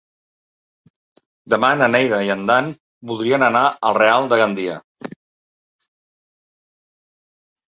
Demà na Neida i en Dan voldrien anar al Real de Gandia.